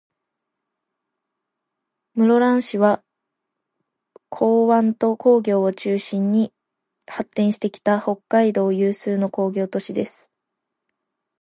室蘭市は、港湾と工業を中心に発展してきた、北海道有数の工業都市です。